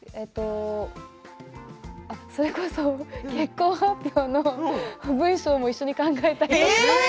それこそ結婚発表の文章も一緒に考えたり。